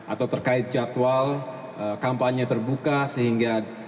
atau terkait jadwal kampanye terbuka sehingga